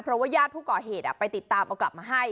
เพราะว่าญาติผู้ก่อเหตุไปติดตามเอากลับมาให้